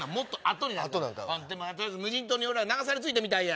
取りあえず無人島に流され着いたみたいや。